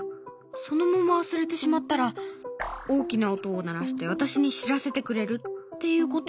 そのまま忘れてしまったら大きな音を鳴らして私に知らせてくれるっていうことなんだけど。